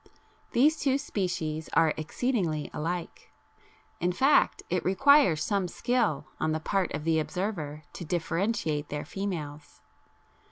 These two species are exceedingly alike, in fact it requires some skill on the part of the observer to differentiate their females.